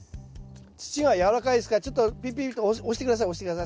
土がやわらかいですからちょっとピピッと押して下さい押して下さい。